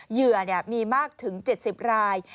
เหยื่อมีมากถึง๗๐ราย